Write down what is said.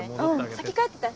先帰ってて！